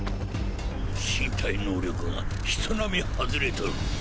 身体能力が人並み外れとる。